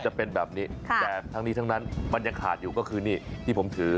จะเป็นแบบนี้แต่ทั้งนี้ทั้งนั้นมันยังขาดอยู่ก็คือนี่ที่ผมถือ